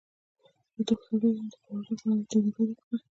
د توکو تولید یعنې د پلورلو لپاره تولید وده وکړه.